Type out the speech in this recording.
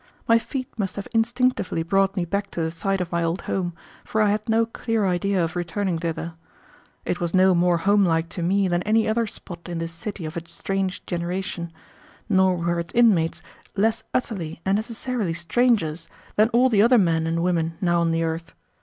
My feet must have instinctively brought me back to the site of my old home, for I had no clear idea of returning thither. It was no more homelike to me than any other spot in this city of a strange generation, nor were its inmates less utterly and necessarily strangers than all the other men and women now on the earth.